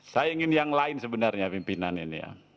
saya ingin yang lain sebenarnya pimpinan ini ya